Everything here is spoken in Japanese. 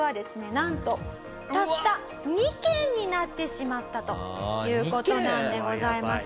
なんとたった２件になってしまったという事なんでございます。